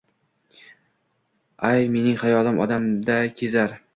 ay, mening xayolim Odamda kezar.